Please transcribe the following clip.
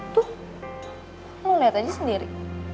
tuh lo liat aja sendiri